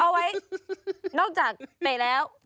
ไว้นอกจากเตะแล้ว